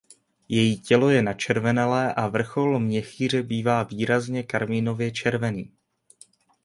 Její tělo je načervenalé a vrchol měchýře bývá výrazně karmínově červený.